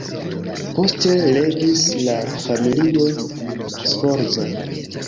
Poste regis la familio Sforza.